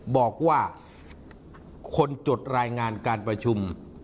บอกว่าคนจดรายงานการประชุม